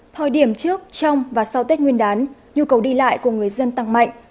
thời điểm trước trong và sau tết nguyên đán nhu cầu đi lại của người dân tăng mạnh